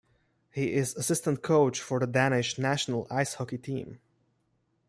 He is assistant coach for the Danish national ice hockey team.